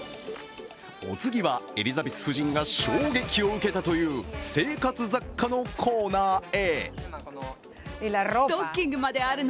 お次はエリザベス夫人が衝撃を受けたという生活雑貨のコーナーへ。